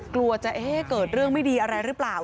กลัวจะเอ๊ะเกิดเรื่องไม่ดีอะไรหรือเปล่า